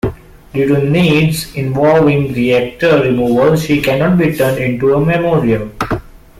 Due to needs involving reactor removal, she cannot be turned into a memorial.